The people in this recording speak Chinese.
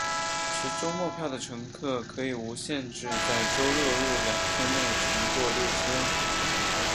持周末票的乘客可以无限制在周六日两天内乘坐列车。